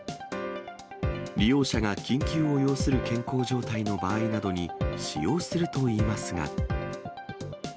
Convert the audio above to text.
利用者が緊急を要する健康状態の場合などに使用するといいますが。